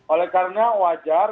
oleh karena wajar